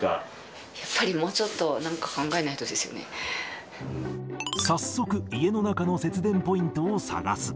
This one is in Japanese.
やっぱりもうちょっと、早速、家の中の節電ポイントを探す。